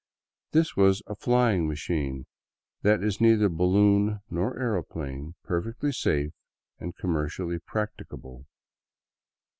This was a " flying machine that is neither balloon nor aeroplane, perfectly safe and commercially practicable."